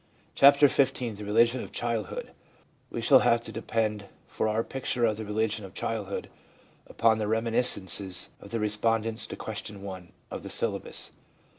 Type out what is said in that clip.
CHAPTER XV THE RELIGION OF CHILDHOOD We shall have to depend for our picture of the religion of childhood upon the reminiscences of the respondents to Question I. of the syllabus.